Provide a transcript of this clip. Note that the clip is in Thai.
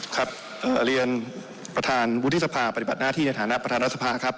ครับเรียนประธานวุฒิสภาปฏิบัติหน้าที่ในฐานะประธานรัฐสภาครับ